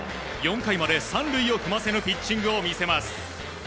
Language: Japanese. ４回まで３塁を踏ませぬピッチングを見せます。